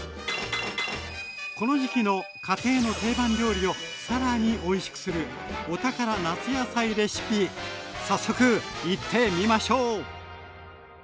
この時期の家庭の定番料理を更においしくする早速いってみましょう！